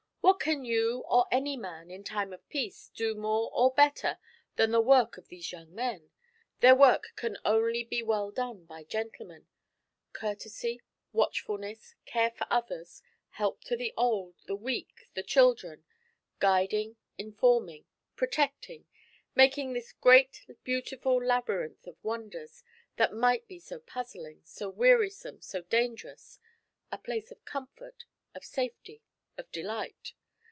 What can you or any man, in time of peace, do more or better than the work of these young men? Their work can only be well done by gentlemen. Courtesy, watchfulness, care for others; help to the old, the weak, the children; guiding, informing, protecting; making this great beautiful labyrinth of wonders, that might be so puzzling, so wearisome, so dangerous, a place of comfort, of safety, of delight.